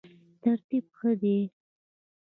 ترتیب ښه دی.